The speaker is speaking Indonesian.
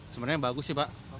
sebenarnya bagus sih pak